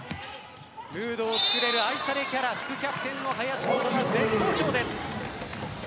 ムードをつくれる愛されキャラ副キャプテンの林琴奈絶好調です。